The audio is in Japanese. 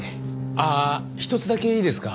ああ一つだけいいですか？